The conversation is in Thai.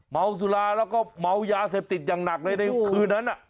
เมาสุราแล้วก็เมายาเสพติดอย่างหนักเลยในคืนนั้น